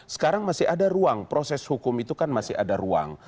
sekarang masih ada ruang proses hukum itu kan masih ada ruang